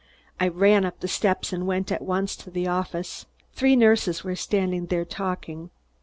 I ran up the steps and went at once to the office. Three nurses were standing there talking.